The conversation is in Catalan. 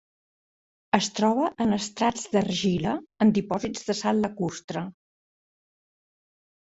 Es troba en estrats d'argila en dipòsits de sal lacustre.